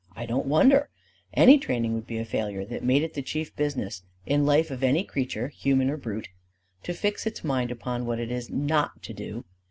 I don't wonder: any training would be a failure that made it the chief business in life of any creature human or brute to fix its mind upon what it is not to do.